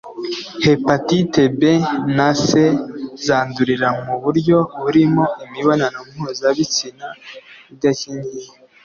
Hepatite B na C zandurira mu buryo burimo imibonano mpuzabitsina idakingiye